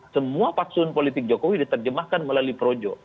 semua patsun politik jokowi diterjemahkan melalui projo